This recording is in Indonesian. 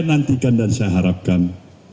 nantikan dan saya harapkan